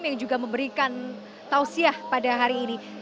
yang juga memberikan tausiah pada hari ini